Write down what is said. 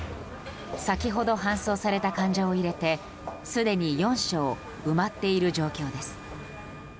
先ほど搬送された患者を入れてすでに４床埋まっている状況です。